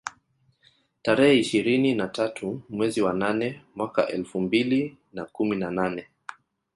Tarehe ishirini na tatu mwezi wa nane mwaka elfu mbili na kumi na nane